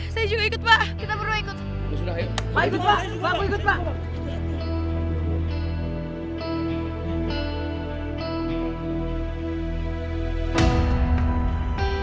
saya juga ikut pak